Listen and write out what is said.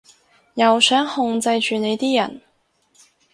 又想控制住你啲人